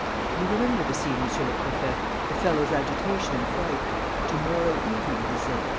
"You remember the scene, Monsieur le Préfet, the fellow's agitation and fright: 'To morrow evening,' he said.